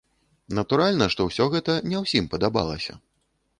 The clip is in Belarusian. Натуральна, што ўсё гэта не ўсім падабалася.